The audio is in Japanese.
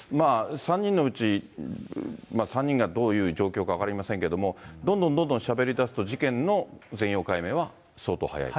３人のうち、３人がどういう状況か分かりませんけども、どんどんどんどんしゃべりだすと、事件の全容解明は相当早いと。